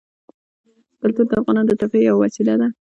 کلتور د افغانانو د تفریح یوه وسیله ده.